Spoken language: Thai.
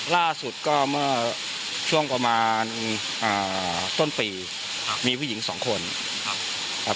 ล่าสุดก็เมื่อช่วงประมาณอ่าต้นปีครับมีผู้หญิงสองคนครับอ่า